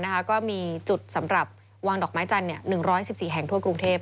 ก็มีจุดสำหรับวางดอกไม้จันทร์๑๑๔แห่งทั่วกรุงเทพ